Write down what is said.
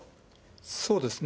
そうですね。